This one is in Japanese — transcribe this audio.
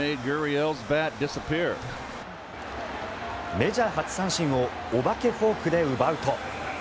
メジャー初三振をお化けフォークで奪うと。